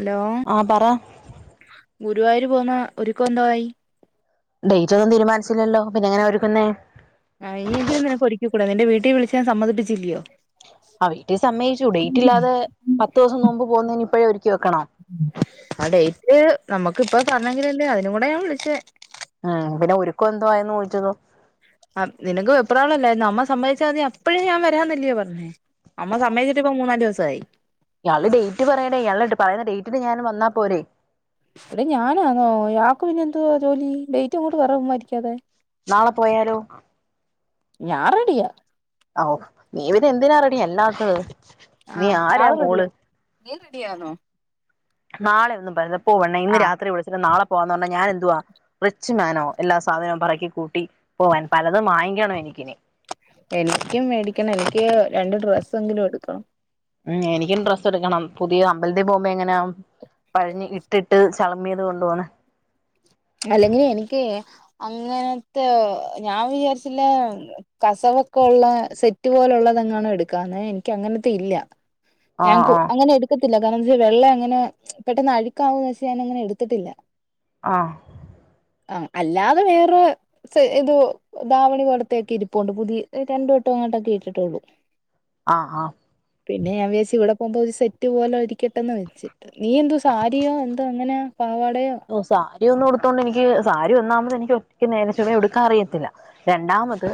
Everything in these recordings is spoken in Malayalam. ഹലോ ആഹ് പറ ഗുരുവായൂര് പോന്ന ഒരുക്കം എന്തോ ആയി? ഡേയിറ്റൊന്നും തീരുമാനിച്ചില്ലല്ലോ പിന്നെ എങ്ങനാ ഒരുങ്ങുന്നേ ആഹ് ഇനിയെങ്കിലും നിനക്കൊരുക്കിക്കൂടെ നിന്റെ വീട്ടി വിളിച്ച് ഞാൻ സമ്മതിപ്പിച്ചില്ലയോ ആഹ് വീട്ടി സമ്മയിച്ചു ഡേറ്റ് ഇല്ലാതെ പത്ത് ദിവസം മുൻമ്പ് പോകുന്നതിന് ഇപ്പഴേ ഒരുക്കി വെക്കണോ? ആഹ് ഡേയിറ്റ് നമ്മക്കിപ്പം പറഞ്ഞെങ്കിലല്ലേ അതിനും കൂടെയാ ഞാൻ വിളിച്ചേ ഏഹ് പിന്നെ ഒരുക്കം എന്തോ ആയെന്ന് ചോദിച്ചതോ? ആപ് നിനക്ക് വെപ്രാളല്ലായിരുന്നോ അമ്മ സമ്മതിച്ചാ മതി അപ്പഴേ ഞാൻ വരാന്നല്ലിയോ പറഞ്ഞേ അമ്മ സമ്മയിച്ചിട്ടിപ്പം മൂന്നാല് ദിവസായി ഇയാള് ഡേയിറ്റ് പറയെടെ ഇയാള് പറയുന്ന ഡേറ്റിന് ഞാൻ വന്നാ പോരെ എടെ ഞാനാന്നോ ഇയാക്ക് പിന്നെ എന്തുവാ ജോലി ഡേയിറ്റ് അങ്ങോട്ട് പറാ ചുമ്മാ ഇരിക്കാതെ നാളെ പോയാലോ? ഞാൻ റെഡിയാ ആഹ് ഓഹ് നീ പിന്നെ എന്തിനാ റെഡി അല്ലാത്തത് നീ ആരാ ഇയാള് റെഡിയാ മോള് നീ റെഡിയാന്നോ നാളെ ഒന്നും പറ്റത്തില്ലാ പോ പെണ്ണെ ആ ഇന്ന് രാത്രി വിളിച്ചിട്ട് നാളെ പോവാന്ന് പറഞ്ഞാ ഞാൻ എന്തുവാ റിച്ച് മാനോ എല്ലാ സാധനവും പറക്കി കൂട്ടി പോവാൻ പലതും വാങ്ങിക്കണം എനിക്കിനി എനിക്കും മേടിക്കണം എനിക്ക് രണ്ട് ഡ്രസ്സെങ്കിലും എടുക്കണം ഉം എനിക്കും ഡ്രസ് ഇടുക്കണം. പുതിയ അമ്പൽത്തി പോകുമ്പ എങ്ങനാ. പഴഞ്ഞ് ഇട്ടിട്ട് ചളമ്മിയത് കൊണ്ട് പോണ്. അല്ലെങ്കില് എനിക്ക് അങ്ങനത്തെ ഞാൻ വിചാരിച്ചില്ല കസവൊക്കെ ക്കെ ഉള്ളെ സെറ്റ് പോലെ ഉള്ളതെങ്ങാനും എടുക്കാന്ന്. ഇനിക്ക് അങ്ങനത്തെ ഇല്ല. ഞാൻ ആഹ് ആഹ് അങ്ങനെ എടു ക്കത്തില്ല. കാരണം വെള്ള അങ്ങനെ പെട്ടെന്ന് അഴുക്കാവോച്ച് ഞാനങ്ങനെ എടുത്തിട്ടില്ല. ആഹ് ആഹ്. അല്ലാതെ വേറെ ഇത് ധാവണി പോലെത്തൊക്കെ ഇരിപ്പുണ്ട്. പുതിയ രണ്ട് വട്ടം അങ്ങോട്ടൊക്കെ ഇട്ടിട്ടൊള്ളു. [inaudible] ആഹ്. ആഹ്. പിന്നെ ഞാൻ വിചാര്ച്ച് ഇവിടെ പോകുമ്പോ ഒരു സെറ്റ് പോലെ ഇരിക്കട്ടെന്ന് വെച്ച്. നീ എന്തോ സാരിയോ, എന്തോ അങ്ങനെ പാവാടയോ? ഓ സാരി ഒന്നു ഉടുത്തോണ്ടെനിക്ക് സാരി ഒന്നാമത് എനിക്ക് നേരെ ചൊവെ ഉടുക്കാ അറിയത്തില്ല. രണ്ടാമത്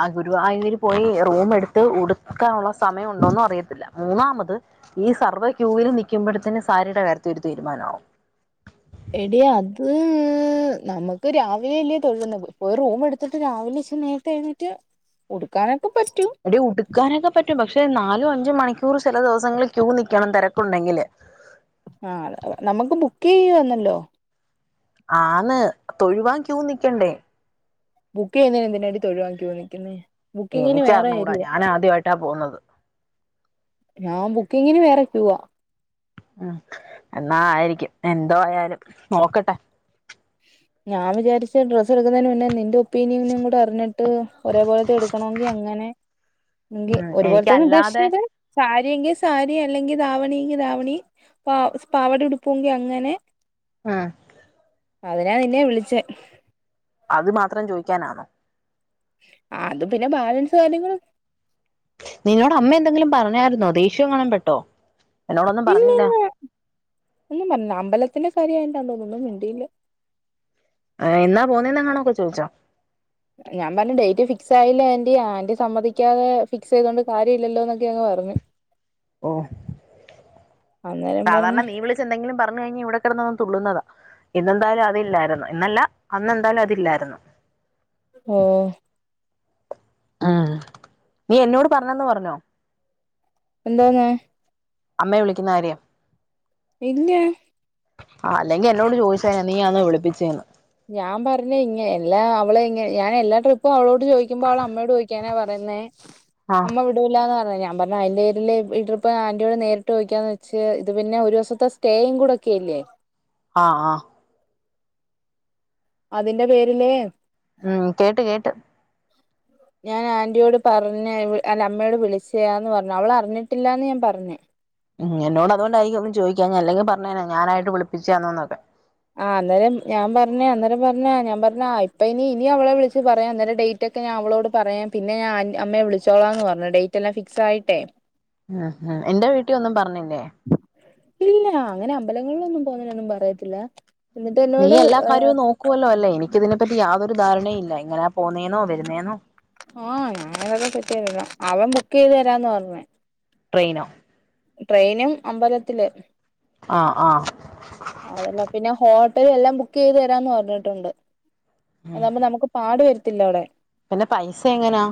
ആ ഗുരുവായൂര് പോയി റൂമെടുത്ത് ഉടുത്ത് ക്കാനുള്ള സമയുണ്ടോന്ന് അറിയത്തില്ല. മൂന്നാമത് ഈ സർവ്വെ ക്യൂവില് നിക്കുമ്പഴത്തെ ന്നെ സാരിയുടെ കാര്യത്തിനൊരു തീരുമാനാവും. എടീ അത് നമക്ക് രാവിലെ അല്ലേ തൊഴുന്നത്. പോയി റൂമ് എടുത്തിട്ട് രാവിലെ ഇച്ചിരി നേരത്തെ എഴുന്നേറ്റ്. ഉടുക്കാനൊക്കെ പറ്റും. എടീ ഉടുക്കാനൊക്കെ പറ്റും. പക്ഷെ നാലും അഞ്ചും മണിക്കൂറ് ചെല ദിവസങ്ങളിൽ ക്യൂ നിൽക്കണം. തെരക്കുണ്ടെങ്കില് ആ നമുക്ക് ബുക്ക് ചെയ്വാന്നല്ലൊ. ആന്ന്. തൊഴുവാൻ ക്യൂ നിക്കണ്ടേ. ബുക്ക് ചെയ്യുന്നതിന് എന്തിനാടീ തൊഴുവാൻ ക്യൂ നിക്കുന്നെ. ബുക്കിങ്ങിന് വേറെ എനിക്കറിഞ്ഞൂടാ. ഏരിയ ഞാൻ ആദ്യായിട്ടാ പോകുന്നത്. ഞാൻ ബുക്കിങ്ങിന് വേറെ ക്യൂവാ. ഉം. എന്നാ ആയിരിക്കും. എന്തോയാലും നോക്കട്ടെ. ഞാ വിചാരിച്ച് ഡ്രസ്സെടുക്കുന്നത് മുന്നേ നിന്റെ ഉപ്പീനിയനും കൂടെ അറിഞ്ഞിട്ട്. ഒരേപോലത്തെ എടുക്കണോങ്കി അങ്ങനെ. എങ്കി ഉം ഒരുപോൽത്തെ എനിക്കല്ലാതെ ഉദ്ദേശിച്ചത്. സാരിയെങ്കിസാരി, അല്ലെങ്കി ദാവണിയെങ്കി ദാവണി, പ പാവട ഉടുപ്പെങ്കിഅങ്ങനെ, ആഹ്. അതിനാ നിന്നെ വിളിച്ചെ. അത് മാത്രം ചോയിക്കാനാണോ. ആ അത് പിന്നെ ബാലൻസ് കാര്യങ്ങളും- നിന്നോട് അമ്മ എന്തെങ്കിലും പറഞ്ഞായിരുന്നോ. ദേഷ്യകാണും പെട്ടോ. എന്നോടൊന്നും പറഞ്ഞില്ല ഇല്ലില്ലാ. ഒന്നുപറഞ്ഞില്ല. അമ്പലത്തിന്റെ കാര്യായോണ്ടാ തോന്നുന്നു ഒന്നുമിണ്ടിയില്ല. ആഹ് എന്നാ പോന്നെന്നങ്ങണൊക്കെ ചോയിച്ചോ. ഞാൻ പറഞ്ഞു. Date ഫിക്സായില്ല aunty. ആൻ്റി സമ്മതിക്കാതെ ഫിക്സെയ്തോണ്ട് കാര്യല്ലല്ലോന്നൊക്കെ അങ്ങ് പറഞ്ഞു. ഓഹ്. അന്നേരം സാധാരണ പറഞ്ഞു നീ വിളച്ചാ ഇച്ചെന്തെങ്കിലും പറഞ്ഞു കയിഞ്ഞ ഇവിടെ കെടന്നന്ന് തുള്ളുന്നതാ ഇന്നെന്തായാലും അതില്ലായിരുന്നു. ഇന്നല്ല അന്നെന്തായാലും അതില്ലായിരുന്നു. ഓഹ്. ആഹ്. നീ എന്നോട് പറഞ്ഞെന്ന് പറഞ്ഞൊ. എന്തോന്ന്. അമ്മയെ വിളിക്കുന്ന കാര്യം. ഇല്ലാ ആ അല്ലെങ്കി എന്നോട് ചോയിച്ചേനെ നീയാണോ വിളപ്പിച്ചേന്ന് ഞാൻ പറഞ്ഞ ഇങ്ങ എല്ലാ അവളെ ഇങ്ങ ഞാൻ എല്ലാ ട്രിപ്പും അവളോട് ചോയിക്കുമ്പോ അവളമ്മോട് ചോയിക്കാനാ പറയുന്നേ ആഹ് അമ്മ വി ടൂലാന്ന് പറഞ്ഞ ഞാൻ പറഞ്ഞ അയിന്റെ പേരില് ട്രിപ്പ് ആൻ്റിയോട് നേരിട്ട് ചോയിക്കാന്നച്ച് ഇത് പിന്നെ ഒരുസത്തെ സ്റ്റേയും കൂടെക്കെയില്ലേ ആഹ് ആഹ് അതിന്റെ പേരില് ഉം കേട്ട് കേട്ട് ഞാൻ ആൻ്റിയോട് പറഞ്ഞ് അല്ല അമ്മയോട് വിളിച്ചാന്ന് പറഞ്ഞു അവള അറിഞ്ഞിട്ടില്ലാന്ന് ഞാൻ പറഞ്ഞ് ഉംഹ് എന്നോട് അതൊണ്ടായിരിക്കു ഒന്നു ചോയിക്കാഞ്ഞെ അല്ലങ്കി പറഞ്ഞേനെ ഞാനായിട്ട് വിളപ്പിച്ചാന്നോന്നൊക്കെ ആഹ് അനേരം ഞാൻ പറഞ്ഞേ അന്നേരം പറഞ്ഞ ഞാൻ പറഞ്ഞ ആ ഇപ്പ ഇനി ഇനി അവളെ വിളിച്ച് പറയാം അന്നേരം ഡേ റ്റക്കെ ഞാ അവളോട് പറയാം പിന്നെ ഞാൻ ആൻ്റ് അമ്മയെ വിളിച്ചോളാന്ന് പറഞ്ഞു ഡേറ്റ് എല്ലാം ഫിക്സ് ആയിട്ടേ ഹ ഹാ എന്റെ വീട്ടിഒന്നും പറഞ്ഞില്ലേ ഇല്ല അങ്ങനെ അമ്പലങ്ങളിലൊന്നും പോന്നേനൊന്നും പറയത്തില്ല എന്നിട്ട് എന്നോട് ക്കുവല്ലോ അല്ലേ എനിക്കിതിനെപ്പറ്റി യാതൊരു ധാരണയില്ല എങ്ങനെ പോന്നെന്നോ വരുന്നേന്നോ ആഹ് ഞാനൊക്കെ സെറ്റ് ചെയ്തോളാം അവൻ ബുക്ക് ചെയ് ത് തരാന്നപറഞ്ഞെ ട്രെയിനോ ട്രെയിനും അമ്പലത്തില് ആഹ് ആഹ് അതല്ല പിന്നെ ഹോട്ടലെല്ലാം ബുക്ക് ചെയ്ത് തരാന്ന് പറഞ്ഞിട്ടുണ്ട് അതകുമ്പോ നമുക്ക് പാട് വരത്തില്ല അവിടെ പിന്നെ പൈസ എങ്ങനാ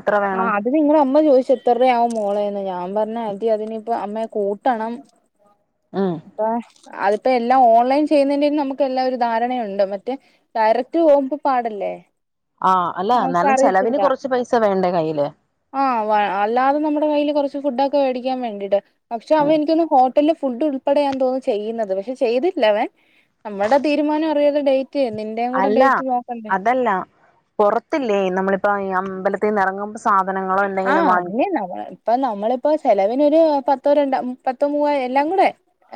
എത്ര ആ വേണം അത് നിങ്ങളമ്മ ചോയിച്ചു എത്രരൂപവു മോളേന്ന് ഞാൻ പറഞ്ഞു ആൻ്റി അതിനിപ്പോ അമ്മേ കൂട്ടണം ആഹ് അപ്പ അതിപ്പോ എല്ലാം ഓൺലൈൻ ചെയ്യുന്നൻ്റെല് നമുക്ക് എല്ലാരു ധാരണയുണ്ട് മറ്റേ ടയറക്റ്റ് പോമ്പോ പാടല്ലേ ആഹ് അല്ല നമുക്ക് അന്നാലും ചെലവിന് അറിയത്തില്ല കൊറച്ച് പൈസ വേണ്ടേ കയ്യില് ആഹ് അല്ലാതെ നമ്മടെ കയ്യില് കൊറച്ച് ഫുഡൊക്കെ വേടിക്കാൻ വേണ്ടീട്ട് പക്ഷെ അവൻ ഉം എനിക്കോന്നു ഹോട്ടലില് ഫുഡ് ഉൾപ്പെടെയാന്തോന്നു ചെയ്യുന്നത് പക്ഷെ ചെയ്തില്ല അവൻ നമ്മടെ തീരുമാനം അറിയാതെ ഡേറ്റ് നിന്റെയും കൂടെ അല്ല ഡേറ്റ് നോക്കണ്ടേ അതല്ല പൊറത്തില്ലേ നമ്മളിപ്പ അമ്പലത്തിന്നെറങ്ങുമ്പോ സാധനങ്ങളോ എന്തെങ്കിലും വാങ്ങിക്കണം ഇപ്പൊ നമ്മളിപ്പോ ചെലവിനൊരു പത്തോ രണ്ടോ പത്തോ മൂവയിഎല്ലാം കൂടെ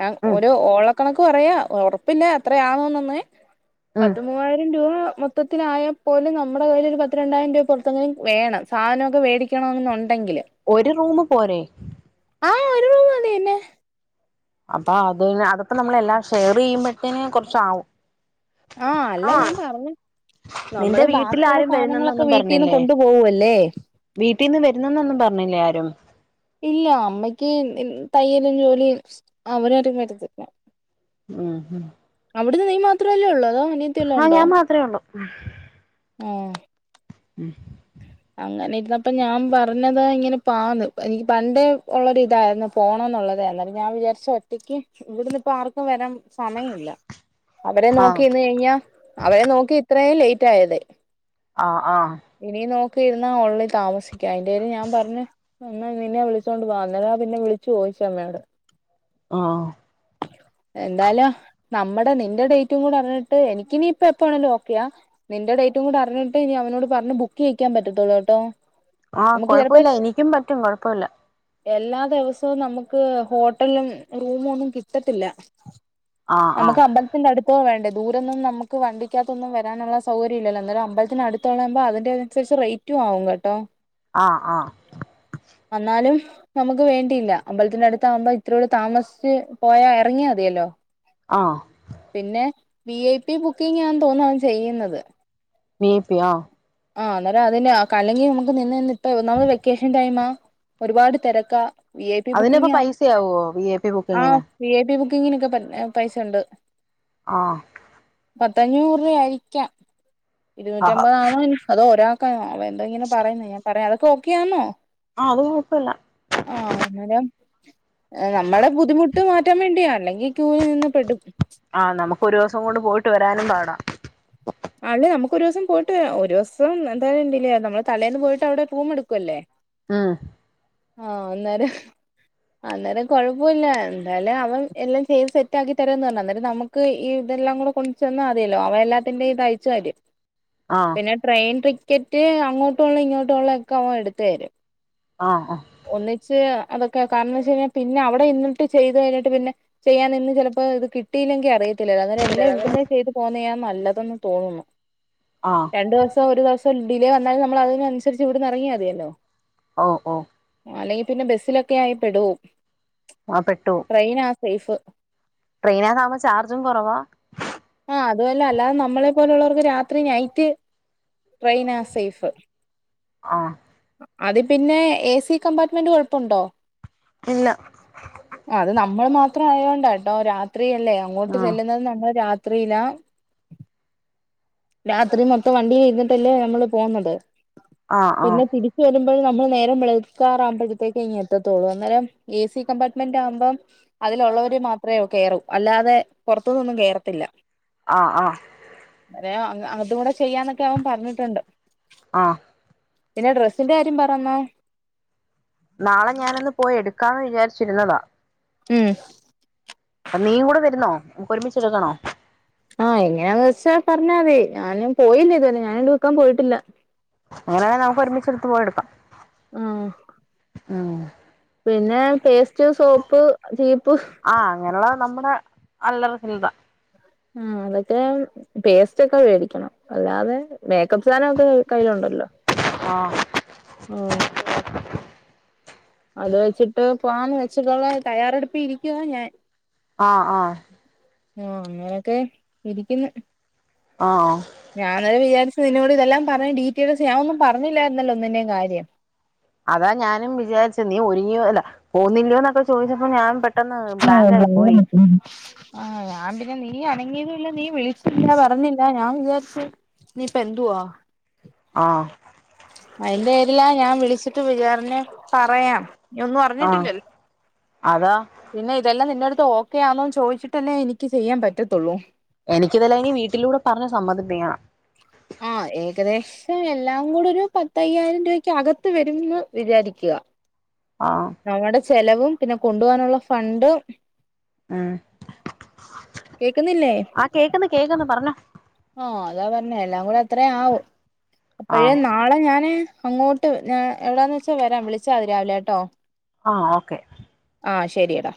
അ ഉം ഒരു ഓളക്കണക്ക് പറയാ ഉറപ്പില്ല എത്രയാകൂന്നെന്ന് ഉം പത്ത് മൂവായിരം രൂപ മൊ മൊത്തത്തിത്തിലായപ്പോലും നമ്മടെ കയ്യിലൊരു പത്ത് രണ്ടായിരം രൂപ പുറത്തെങ്കിലും വേണം സാധന ഒക്കെ വേടികണം എന്നുണ്ടെങ്കില് ഒരു റൂമ് പോരെ ആഹ് ഒരു റൂംമ് മതി പിന്നെ അപ്പ അത് അകത്ത് നമ്മളെല്ലാം ഷെയറെയ്യുമ്പത്തേന് കൊറച്ചാവും ആഹ് അല്ല ഞാൻ പറഞ് നിന്റെ നമ്മള് വീട്ടിൽ ബാക്കിയൊള്ള ആരും സാധനങ്ങളൊക്കെ വരുന്നെന്നൊന്നും വീട്ടിന്ന് കൊണ്ടു പോകുവല്ലേ വീട്ടിന്ന് വരുന്നെന്നൊന്നും പറഞ്ഞില്ലേ ആരും ഇല്ല അമ്മയ്ക്ക് തയ്യലും ജോലീം അവരാരും വരത്തില്ല ആഹ് ആഹ് അവിടുന്ന് നീ മാത്രവല്ലേ ഒള്ളൂ അതോ അനി ആഹ് ഞാൻ മാത്രേ ഒള്ളൂ ഏഹ് ഉം അങ്ങനെ ഇര്ന്നപ്പഞാൻ പറഞ്ഞതാ ഇങ്ങനെ പാന്ന് എനിക്ക് പണ്ടേ ഉള്ളരിതായിരുന്നു പോണോന്നുള്ളത്. എന്നാലും ഞാൻ വിചാരിച്ചു ഒറ്റക്ക് ഇവിടുന്നപ്പാർ പ്പൊ വരാൻ സമയയില്ല അവരെ ആഹ് നോക്കിന്ന് കയിഞ്ഞാ അവരെ നോക്കി ഇത്രയും ലേറ്റ് ആയത് ആഹ് ആഹ് ഇനീം നോക്കി ഇര്ന്നാ ഓള്ളിൽ താമസിക്കാ അയിന്റേരി ഞാൻ പറഞ്ഞ് എന്നാ നിന്നെ വിളിച്ചോണ്ട് പോവാന്ന് അന്നേരാ പിന്നെ വിളിച്ചു ചോയിച്ച അമ്മയോട് ആഹ് എന്തായാലും നമ്മടെ നിന്റെ ഡേറ്റും കൂടെ അറിഞ്ഞിട്ട് എനിക്കിനിയിപ്പ എപ്പ വേണേലും ഓക്കെയാ നിന്റെ ഡേറ്റും കൂടി അറിഞ്ഞിട്ടേ ഇനി അവനോട് പറഞ്ഞ് ബുക്ക് ചെയ്യിക്കാൻ പറ്റത്തുള്ളൂട്ടോ ആഹ് കുഴപ്പല്ല എനിയ്ക്കും പറ്റും കുഴപ്പല്ല എല്ലാ ദിവസവും നമുക്ക് ഹോട്ടലും റൂമു ഒന്നും കിട്ടത്തില്ല ആഹ് നമുക്ക് ആഹ് അമ്പ ത്തിന്റെ അടുത്താ വേണ്ടെ. ദൂരൊന്നും നമുക്ക് വണ്ടിക്കകത്തൊന്നും വരാനുള്ള സൗകര്യല്ലല്ലോ. അന്നേരം അമ്പൽത്തിനടത്തൊള്ളെ ആകുമ്പോ അതിന്റെ ത്യാശ്യ റേറ്റും ആവും കേട്ടോ ആഹ് ആഹ് അന്നാലും നമുക്ക് വേണ്ടിയില്ല. അമ്പലത്തിനടത്താകുമ്പ ഇത്രീ കൂടെ താമസിച്ച് പോയാ എറങ്ങിയാ തിയല്ലോ ആഹ് പിന്നെ വി ഐ പി ബുക്കിങ്ങാന്തോന്ന് അവൻ ചെയ്യുന്നത് വി ഐ പി യൊ ആഹ് ആഹ് അന്നേരം അതിന് കല്ലെങ്കി നമുക്ക് നിന്ന് നിന്നിപ്പ ഒന്നാമത് വെക്കേഷൻ ടൈമാ ഒരുപാട് തെരക്കാ വി ഐ പി അതിനിപ്പോ ബുക്കിംഗാം പൈസയാവോ വി ഐ പി ആഹ് ബുക്കിങ്ങിന് വി ഐ പി ബുക്കിങ്ങിനൊക്കെ പൈസണ്ട് ആഹ് പത്തഞ്ഞൂറ് രൂപ ആയിരിക്കാം ഇരുന്നൂറ്റി ആഹ് അമ്പതാണോ അത് ഒരാക്കാനാ എന്തെങ്ങനെ പറയുന്നേ ഞാൻ പറയാം അതൊക്കെ ഓക്കെയാന്നോ ആഹ് അത് കൊഴപ്പല്ല ആഹ് അന്നേരം നമ്മളെ ബുദ്ധിമുട്ട് മാറ്റാൻ വേണ്ടിയാ അല്ലെങ്കി ക്യൂയിൽ നിന്ന് പെടും ആഹ് നമുക്ക് ഒരോസം കൊണ്ട് പോയിട്ട് വരാനും പാടാ അല്ലേ നമുക്ക് ഒരോസം പോയിട്ട് വെര ഒരോസം എന്തായണ്ടില്ലേ നമ്മള് തലേന്ന് പോയിട്ട് അവിടെ റൂം എടുക്കൊല്ലേ ആഹ് ആഹ് അന്നേരം അന്നേരം കൊഴപ്പൊല്ല എന്തായാലും അവൻ എല്ലാം ചെയ്ത് സെറ്റ് ആക്കി തരും പറഞ്ഞു അന്നേരം നമ്മു ക്ക് ഈ ഇതെല്ലാം കൂടെ കൊണ്ട് ചെന്നാ മതിയല്ലോ അവ എല്ലാത്തിന്റെയും ഇത് അയച്ചു തരും ആഹ് പിന്നെ ട്രെയിൻ ടിക്കറ്റ് അങ്ങോട്ടുള്ള ഇങ്ങോട്ടുള്ള ഒക്കെ അവൻ എടുത്ത് തരും ആഹ ഒന്നിച്ച് അതൊക്കെ കാരണം എന്താച്ചയ്ഞ്ഞാൽ പിന്നെ അവടെ ഇരുന്നിട്ട് ചെയ്ത് കഴിഞ്ഞിട്ട് പിന്നെ ചെയ്യാൻ ഇന്ന് ചെലപ്പോ ഇത് കിട്ടിയിലെങ്കിൽ അറിയ ക്കല് അന്നേരം എല്ലാം ആഹ് ഇവിടുന്ന് ചെയ്ത് പോന്നയാ നല്ലതൊന്ന് തോന്നുന്നു ആഹ് രണ്ടു ദിവസം ഒരു ദിവസം ഡിലേ വന്നാൽ നമ്മൾ അതിനൻസരിച്ച് ഇവിന്ന് എറങ്ങിയാ മതിയല്ലോ ഓഹ് ഓഹ് അല്ലെങ്കി പിന്നെ ബസ്സിലൊക്കെ ആയി പെടും ആഹ് പെട്ടു ട്രെയിനാ സൈഫ് ട്രെയിനക്കാവുമ്പോ ചാർജും കൊറവാ ആഹ് അതുവല്ല അല്ലാതെ നമ്മളെ പോലെയുള്ളവർക്ക് രാത്രി നൈറ്റ് ട്രെയിനാ സൈഫ് ആഹ് അത് പിന്നെ എ സി കമ്പാർട്ട്മെന്റ് കൊഴപ്പുണ്ടോ ഇല്ല അത് നമ്മൾ മാത്രം ആയോണ്ടാട്ടോ രാത്രിയല്ലേ അങ്ങോട്ട് ആഹ് ചെല്ലുന്നത് നമ്മൾ രാ ത്രിലാ രാത്രി മൊത്തം വണ്ടീൽ ഇര്ന്നിട്ടല്ലേ നമ്മള് പോകുന്നത് ആഹ് ആഹ് പിന്നെ തിരി ച്ച് വരുമ്പോള് നമ്മൾ നേരം വെളുക്കാറാവുമ്പഴ്ത്തേക്ക് ഇനി എത്തതൊള്ളൂ അന്നെരം എ സി കമ്പാർട്ട്മെന്റ് ആകുമ്പം അതിലുള്ളവര് മാത്രേ കയറൂ അല്ലാതെ പുറത്തുനിന്നും കേറത്തില്ല ആഹ് ആഹ് അവനെയോ അങ്ങ് അതും കൂടെ ചെയ്യാന്നൊക്കെ അവൻ പറഞ്ഞ്ട്ട്ണ്ട് ആഹ് പിന്നെ ഡ്രസ്സിന്റെ കാര്യം പറയു അമ്മാ നാളെ ഞാനൊന്ന് പോയി എടുക്കാന്ന് വിജാരിച്ചിരുന്നതാ ഉം നീ കൂടെ വരുന്നോ നമുക്ക് ഒരുമിച്ച് ഇട്ക്കണോ ആഹ് എങ്ങനാന്ന് വെച്ചാ പറഞ്ഞാ മതി ഞാനും പോയില്ല ഇതുവരെ ഞാൻ ഇത് വിക്കാൻ പോയിട്ടില്ല അങ്ങനെണങ്കി നമുക്ക് ഒരുമിച്ചെടുത്ത് പോയി ഇട്ക്കാം ആഹ് ഉം പിന്നെ പേസ്റ്റ് സോപ്പ് ചീപ്പ് ആഹ് അങ്ങനെയുള്ള നമ്മുടെ അല്ലറചില്ലറ ഉം എന്നിട്ട് പേസ്റ്റൊക്കെ വേടിക്കണം അല്ലാതെ മേക്കപ്പ് സാധനം ഒക്കെ കയ്യിലുണ്ടല്ലോ ആഹ് ഓഹ് അത് വെച്ചിട്ട് പോവാന്ന് വെച്ചിട്ടുള്ള തയ്യാറെടുപ്പിൽ ഇരിക്കുവാ ഞാൻ ആന് ആഹ് ഞ്ഞോ അങ്ങനെക്കെ ഇരിക്ക്ന്ന് ആഹ് ഞാൻ അന്നേരം വിജാരിച്ചു നിന്നോട് ഇതെല്ലാം പറഞ്ഞ് ഡീറ്റെയിൽസ് ഞാൻ ഒന്നും പറഞ്ഞില്ലാര്ന്നല്ലോ ഒന്നിന്റെയും കാര്യം അതാ ഞാനും വിജാരിച്ച് നീ ഒരുങ്ങിയോ അല്ല പോന്നില്യോന്നക്കെ ചോയിച്ചപ്പോ ഞാൻ പെ ആഹ് [unintelligible] ആഹ് ഞാൻ പിന്നെ നീ അനങ്ങിയതുല്ല നീ വിളിച്ചില്ല പറഞ്ഞില്ല ഞാൻ വിജാര്ച്ചു നിപ്പ എന്തുവാ ആഹ് ഐന്റെ പേരിലാ ഞാൻ വിളിച്ചിട്ട് വിജാറ്ന് പറയാം ന ഒന്നും ആഹ് അറിഞ്ഞിട്ടില്ലല്ലോ അതാ പിന്നെ ഇതെല്ലാം നിന്റെ അടുത്ത് ഓക്കെ ആണോന്ന് ചോദിച്ചിട്ടല്ലേ എനിക്ക് ചെയ്യാൻ പറ്റത്തുള്ളൂ എനിക്കിതല്ലാം ഇനി വീട്ടിലൂടെ പറഞ്ഞ് സമ്മതിപ്പിക്കണം ആ ഏകദേശം എല്ലാം അതും കൂടെ ഒരു പത്തയ്യായിരം രൂപയ്ക്ക് അകത്ത് വരുമന്ന് വിചാരിക്കുക ആഹ നമ്മുടെ ചെലവും പിന്നെ കൊണ്ടു പോകാനുള്ള ഫണ്ട് ഉ കേക്കുന്നില്ലേ ആ കേക്കന്ന് കേക്കന്ന് പറഞ്ഞോ ആഹ അതാ പറഞ്ഞേ എല്ലാം കൂടെ അത്രേ ആ ആവുംഅപ്പോഴേ നാളെ ഞാന് അങ്ങോട്ട് കേട്ട് ഞാൻ എവിടാന്ന് വച്ചാ വരാം വിളിച്ചാ മതി രാവിലെ കേട്ടോ ആ ഓക്കെ ആ ശരിയടാ